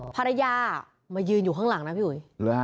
ภรรยามายืนอยู่ข้างหลังนะพี่อุ๋ย